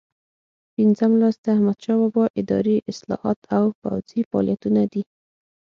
پنځم لوست د احمدشاه بابا اداري اصلاحات او پوځي فعالیتونه دي.